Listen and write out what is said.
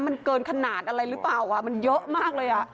มันเกินขนาดอะไรหรือเปล่ามันเยอะมากเลยอ่ะ